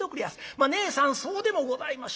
「まあねえさんそうでもございましょうが」。